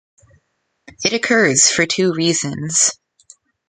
It occurs for two reasons.